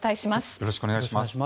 よろしくお願いします。